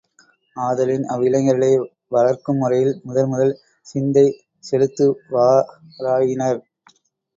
ஆதலின், அவ்விளைஞர்களை வளர்க்கும் முறையில், முதல் முதல் சிந்தை செலுத்துவாராயினர்.